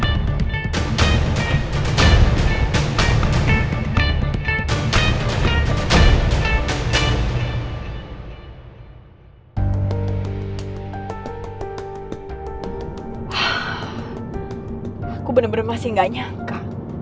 aku benar benar masih gak nyangka